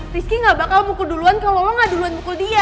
rizky gak bakal mukul duluan kalau lo gak duluan buku dia